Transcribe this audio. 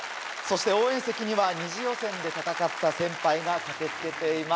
そして応援席には２次予選で戦った先輩が駆け付けています。